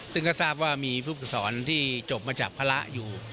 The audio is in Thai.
ซึ่งก็ทราบว่ามีผู้ฝึกสอนที่จบมาจากภาระอยู่